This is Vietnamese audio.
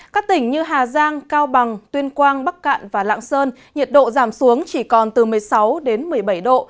các tỉnh như hà giang cao bằng tuyên quang bắc cạn và lạng sơn nhiệt độ giảm xuống chỉ còn từ một mươi sáu đến một mươi bảy độ